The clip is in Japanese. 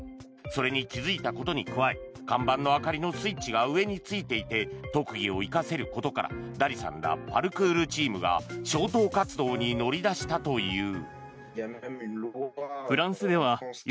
それに気付いたことに加え看板の明かりのスイッチが上についていて特技を生かせることからダリさんらパルクールチームが消灯活動に乗り出したという。